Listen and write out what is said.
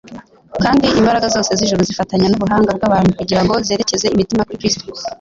Kandi imbaraga zose z'ijuru zifatanya n'ubuhanga bw'abantu kugira ngo zerekeze imitima kuri Kristo.